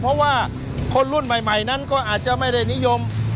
เพราะว่าคนรุ่นใหม่นั้นก็อาจจะไม่ได้นิยม